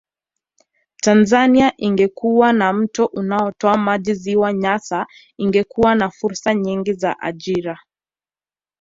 Tanzania ingekuwa na mto unaotoa maji ziwa Nyasa ingekuwa na fursa nyingi za ajira